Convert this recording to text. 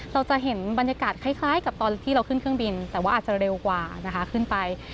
เราจะเห็นบรรยากาศคล้ายกับตอนที่เราขึ้นเครื่องบินแต่ว่าอาจจะเร็วกว่านะคะขึ้นไป